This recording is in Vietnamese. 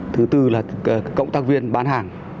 thứ tư là cộng tác viên bán hàng